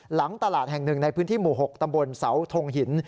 หลังตลาดแห่งหนึ่งในพื้นที่หมู่๖ตำบลเสาทงหิน